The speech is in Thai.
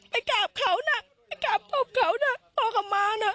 ไปกราบเขานะไปกราบพ่อเขานะขอกรรมะนะ